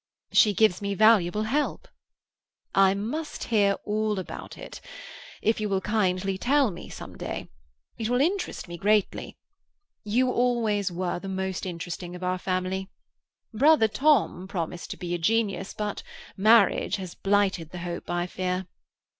"She gives me valuable help." "I must hear all about it—if you will kindly tell me some day. It will interest me greatly. You always were the most interesting of our family. Brother Tom promised to be a genius, but marriage has blighted the hope, I fear."